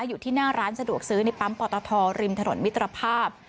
อยู่ที่หน้าร้านสะดวกซื้อในปั๊มปอตทริมถนนมิตรภาพ